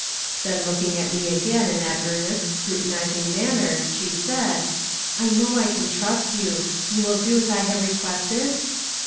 Then looking at me again in that earnest, scrutinizing manner, she said: "I know I can trust you you will do as I have requested?"